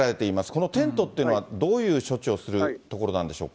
このテントっていうのは、どういう処置をするところなんでしょう